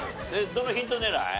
どのヒント狙い？